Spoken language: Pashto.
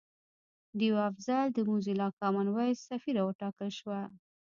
ډیوه افضل د موزیلا کامن وایس سفیره وټاکل شوه